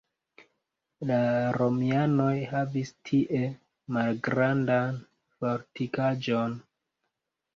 La romianoj havis tie malgrandan fortikaĵon.